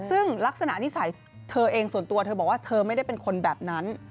ซึ่งลักษณะนิสัยเธอเองส่วนตัวเธอบอกว่าเธอไม่ได้เป็นคนแบบนั้น